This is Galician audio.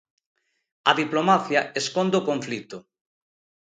A diplomacia esconde o conflito.